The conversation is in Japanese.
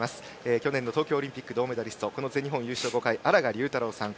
去年の東京オリンピック銅メダリストこの全日本、優勝５回の荒賀龍太郎さん。